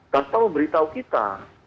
tanpa memberitahu kita